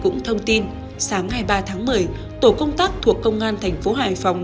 trong thông tin sáng hai mươi ba tháng một mươi tổ công tác thuộc công an tp hải phòng